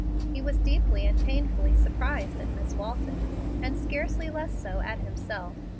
He was deeply and painfully surprised at Miss Walton, and scarcely less so at himself.